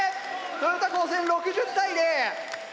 豊田高専６０対０！